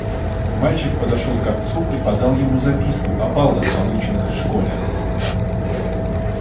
Мальчик подошел к отцу и подал ему записку о баллах, полученных в школе.